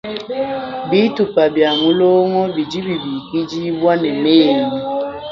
Bitupa bia mulongo bidi bilikidibwa ne meyi.